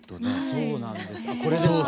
そうなんです。